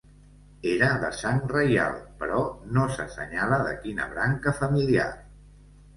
Era de sang reial, però no s'assenyala de quina branca familiar.